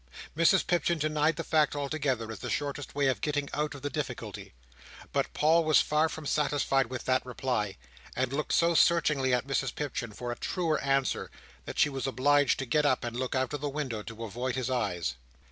Mrs Pipchin denied the fact altogether, as the shortest way of getting out of the difficulty; but Paul was far from satisfied with that reply, and looked so searchingly at Mrs Pipchin for a truer answer, that she was obliged to get up and look out of the window to avoid his eyes.